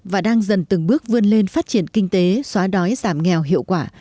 và đang dần từng bước vươn lên phát triển kinh tế xóa đói giảm nghèo hiệu quả